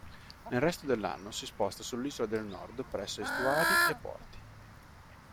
Nel resto dell'anno si sposta sull'Isola del Nord presso estuari e porti.